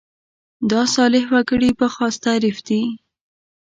دا صالح وګړي په خاص تعریف دي.